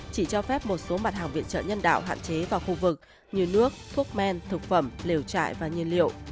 chỉ cho phép một số mặt hàng viện trợ nhân đạo hạn chế vào khu vực như nước thuốc men thực phẩm liều trại và nhiên liệu